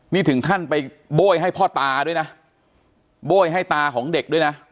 นี่ถึงขั้นไปโบ้ยให้พ่อตาด้วยนะโบ้ยให้ตาของเด็กด้วยนะ